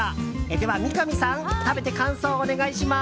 では三上さん食べて感想をお願いします。